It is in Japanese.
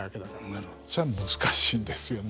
それが難しいんですよね。